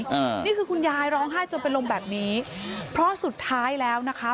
นี่คือคุณยายร้องไห้จนเป็นลมแบบนี้เพราะสุดท้ายแล้วนะคะ